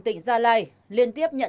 tỉnh gia lai liên tiếp nhận